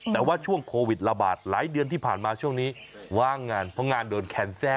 แต่ว่าช่วงโควิดระบาดหลายเดือนที่ผ่านมาช่วงนี้ว่างงานเพราะงานโดนแคนเซล